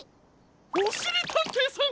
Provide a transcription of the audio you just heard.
おしりたんていさん！